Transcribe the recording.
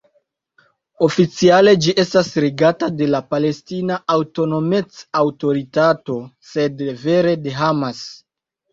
Oficiale ĝi estas regata de la Palestina Aŭtonomec-Aŭtoritato, sed vere de Hamas.